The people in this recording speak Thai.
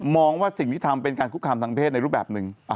ว่าสิ่งที่ทำเป็นการคุกคามทางเพศในรูปแบบหนึ่ง